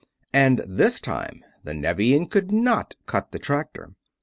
And this time the Nevian could not cut the tractor.